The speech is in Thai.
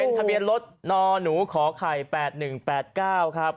ทะเบียนรถนหนูขอไข่๘๑๘๙ครับ